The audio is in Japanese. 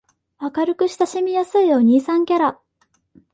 明るく親しみやすいお兄さんキャラ